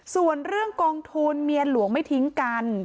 ส่วนเรื่องกองทุนเมียหลวงไม่ทิ้งกัน